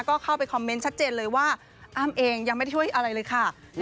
ก็เข้าไปคอมเมนต์ชัดเจนเลยว่าอ้ำเองยังไม่ได้ช่วยอะไรเลยค่ะ